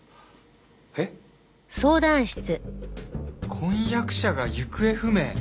婚約者が行方不明？